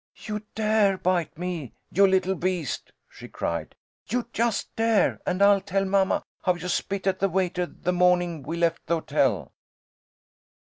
"You dare bite me, you little beast!" she cried. "You just dare, and I'll tell mamma how you spit at the waiter the morning we left the hotel."